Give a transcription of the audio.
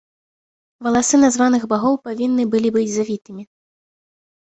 Валасы названых багоў павінны былі быць завітымі.